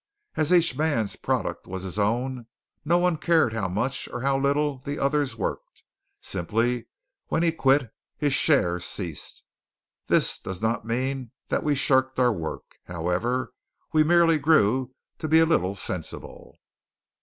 As each man's product was his own, no one cared how much or how little the others worked. Simply when he quit, his share ceased. This does not mean that we shirked our work, however; we merely grew to be a little sensible.